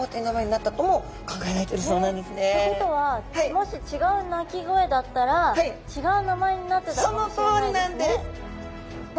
ってことはもし違う鳴き声だったら違う名前になってたかもしれないですね。